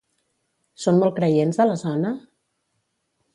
Són molt creients a la zona?